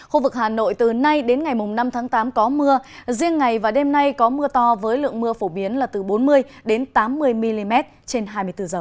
khu vực hà nội từ nay đến ngày năm tháng tám có mưa riêng ngày và đêm nay có mưa to với lượng mưa phổ biến là từ bốn mươi tám mươi mm trên hai mươi bốn h